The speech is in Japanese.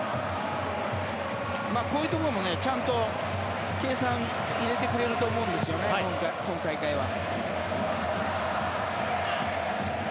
こういうところもちゃんと計算入れてくれると思うんですよね、今大会は。